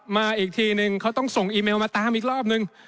มาอีกทีนึงเขาต้องส่งอีเมลมาตามอีกรอบนึง